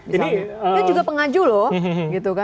dia juga pengaju loh